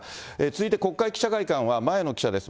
続いて、国会記者会館は前野記者です。